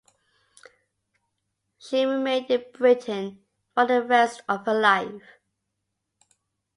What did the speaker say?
She remained in Britain for the rest of her life.